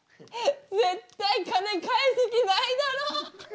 絶対金返す気ないだろ。